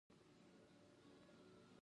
په مدرنو دولتي ادارو ساتل کیږي.